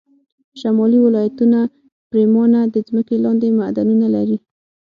شمالي ولایتونه پرېمانه د ځمکې لاندې معدنونه لري